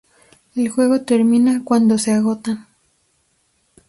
El juego termina cuando se agotan.